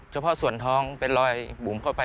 เฉพาะส่วนท้องเป็นรอยบุ๋มเข้าไป